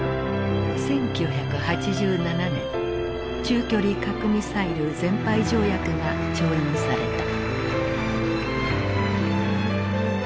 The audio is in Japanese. １９８７年中距離核ミサイル全廃条約が調印された。